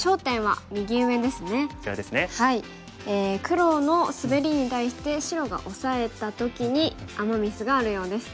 黒のスベリに対して白が押さえた時にアマ・ミスがあるようです。